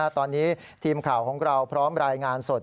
ตอนนี้ทีมข่าวของเราพร้อมรายงานสด